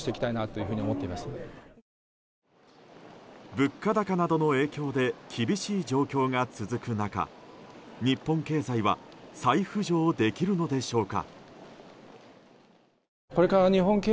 物価高などの影響で厳しい状況が続く中日本経済は再浮上できるのでしょうか。